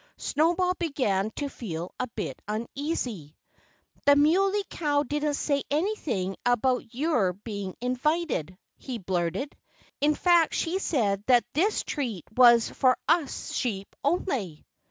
Snowball began to feel a bit uneasy. "The Muley Cow didn't say anything about your being invited," he blurted. "In fact she said that this treat was for us sheep only."